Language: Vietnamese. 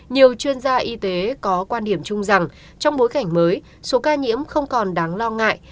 nhiều chuyên gia y tế có quan điểm chung rằng trong bối cảnh mới số ca nhiễm không còn đáng lo ngại